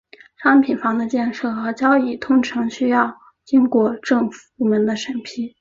商品房的建设和交易通常需要经过政府部门的审批。